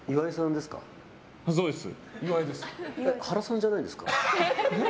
そうです。